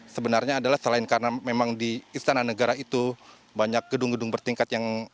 sebenarnya adalah selain karena memang di istana negara itu banyak gedung gedung bertingkat yang